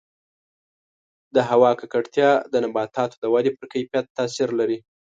د هوا ککړتیا د نباتاتو د ودې پر کیفیت تاثیر لري.